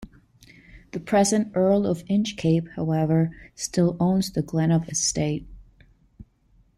The present Earl of Inchcape, however, still owns the Glenapp Estate.